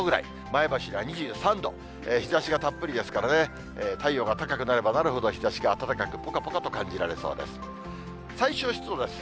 前橋が２３度、日ざしがたっぷりですからね、太陽が高くなればなるほど日ざしが暖かく、ぽかぽかと感じられそうです。